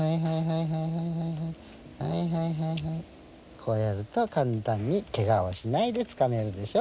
こうやると簡単にケガをしないでつかめるんですよ。